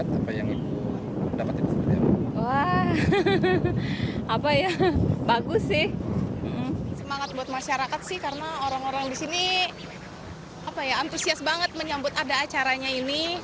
semangat buat masyarakat sih karena orang orang di sini antusias banget menyambut ada acaranya ini